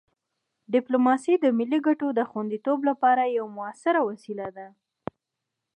ډیپلوماسي د ملي ګټو د خوندیتوب لپاره یوه مؤثره وسیله ده.